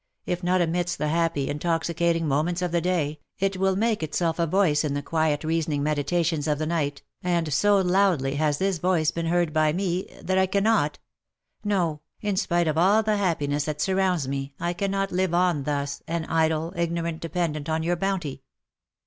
if not amidst the happy intoxicating moments of the day, it will make itself a voice in the quiet reasoning meditations of the night, and so loudly has this voice been heard by me, that I cannot — no, in spite of all the happiness that sur rounds me, I cannot live on thus, an idle, ignorant dependant on. your bounty."